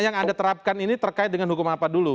yang anda terapkan ini terkait dengan hukum apa dulu